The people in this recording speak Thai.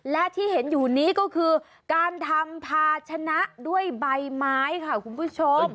และที่เห็นอยู่นี้ก็คือการทำภาชนะด้วยใบไม้ค่ะคุณผู้ชม